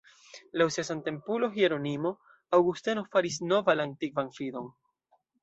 Laŭ sia samtempulo, Hieronimo, Aŭgusteno "faris nova la antikvan fidon.